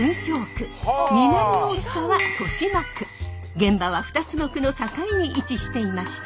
現場は２つの区の境に位置していました。